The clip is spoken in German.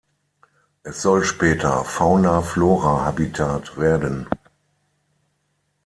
Es soll später Fauna-Flora-Habitat werden.